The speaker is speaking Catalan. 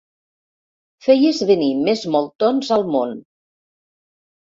Feies venir més moltons al món.